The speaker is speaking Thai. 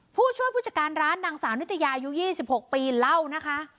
ผู้ช่วยผู้จัดการร้านนางสาวนิตยาอายุ๒๖ปีเล่านะคะ